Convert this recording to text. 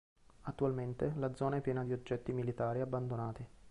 Attualmente la zona è piena di oggetti militari abbandonati.